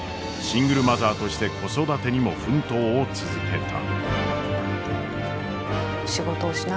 シングルマザーとして子育てにも奮闘を続けた。